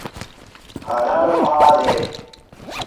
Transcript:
Baba Looey is Quick Draw McGraw's sidekick.